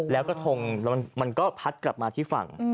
แล้วกระทงมันก็พัดกลับมาที่ฝั่ง